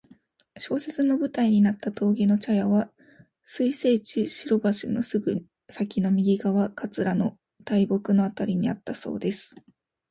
小説の舞台になった峠の茶屋は水生地・白橋のすぐ先の右側、桂の大木のあたりにあったそうです。